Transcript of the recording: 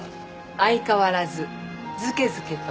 相変わらずずけずけと。